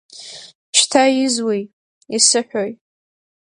Шьҭа изуеи, исыҳәои?